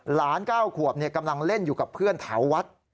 หลานเก้าขวบกำลังเล่นอยู่กับเพื่อนเถาวัด